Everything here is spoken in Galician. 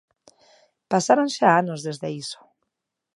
Pasaron xa anos desde iso.